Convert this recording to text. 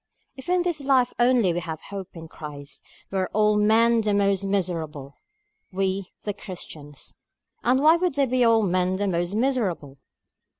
"If in this life only we have hope in Christ, we are of all men the most miserable;" we, the Christians. And why would they be of all men the most miserable?